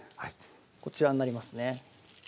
こちらになりますね